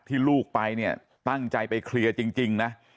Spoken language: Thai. ลูกไปเนี่ยตั้งใจไปเคลียร์จริงนะ